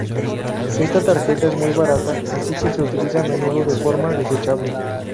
Esta tarjeta es muy barata así que se utiliza a menudo de forma "desechable".